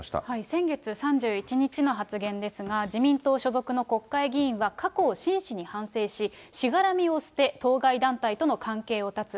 先月３１日の発言ですが、自民党所属の国会議員は、過去を真摯に反省し、しがらみを捨て、当該団体との関係を断つ。